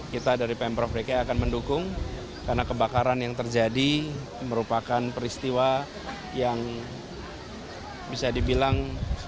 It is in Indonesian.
kita dari pemprov dki akan mendukung karena kebakaran yang terjadi merupakan peristiwa yang bisa dibilang